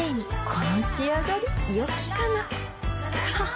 この仕上がりよきかなははっ